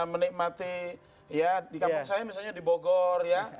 menikmati ya di kampung saya misalnya di bogor ya